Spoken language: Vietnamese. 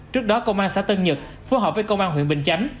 trước đó công an xã tân nhật phối hợp với công an huyện bình chánh